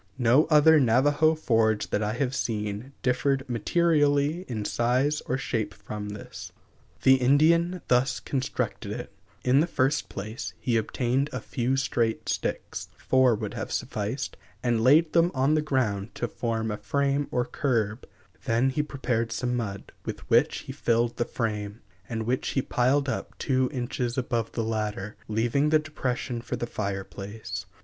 No other Navajo forge that I have seen differed materially in size or shape from this. The Indian thus constructed it: In the first place, he obtained a few straight sticks four would have sufficed and laid them on the ground to form a frame or curb; then he prepared some mud, with which he filled the frame, and which he piled up two inches above the latter, leaving the depression for the fire place.